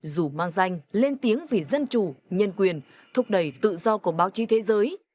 dù mang danh lên tiếng vì dân chủ nhân quyền thúc đẩy tự do của báo chí thế giới